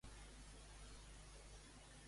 Què n'opina d'això l'alcaldessa?